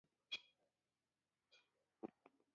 دا نړېوال شهرت دی.